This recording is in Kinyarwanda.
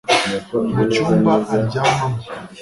mu cyumba aryamamo